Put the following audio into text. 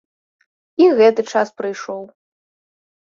І гэты час прыйшоў.